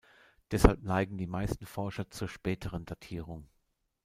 Deshalb neigen die meisten Forscher zur späteren Datierung.